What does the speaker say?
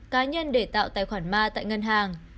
cá nhân để tạo tài khoản ma tại ngân hàng